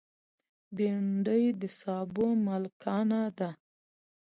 بېنډۍ د سابو ملکانه ده